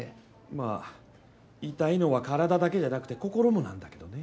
まあ痛いのは体だけじゃなくて心もなんだけどね。